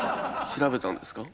調べたんですか？